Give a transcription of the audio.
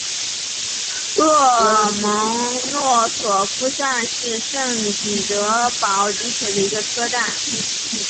洛蒙诺索夫站是圣彼得堡地铁的一个车站。